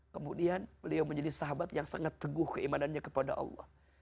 kemudian beliau menjadi sahabat yang sangat teguh keimanannya kepada allah